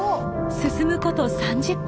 進むこと３０分